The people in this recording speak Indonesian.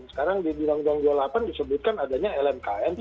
sekarang di undang undang dua puluh delapan disebutkan adanya lmkn